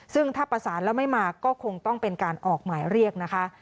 ซึ่งถ้าประสานแล้วไม่มาก็คงต้องเป็นการออกหมายเรียกนะคะ